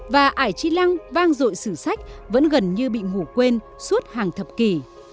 và ải chi lăng vang rội sử sách vẫn gần như bị ngủ quên suốt hàng thập kỷ